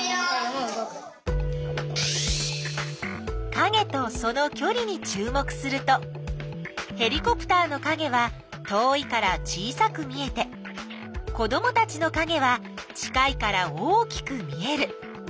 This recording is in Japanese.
かげとそのきょりにちゅう目するとヘリコプターのかげは遠いから小さく見えて子どもたちのかげは近いから大きく見える。